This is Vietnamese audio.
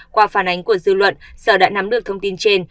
qua phản ánh của dư luận sở đã nắm được thông tin trên